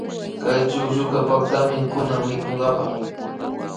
Kay chuklluka paktami kunan mikunkapa